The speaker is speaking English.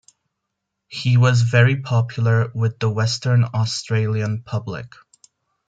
He was very popular with the Western Australian public.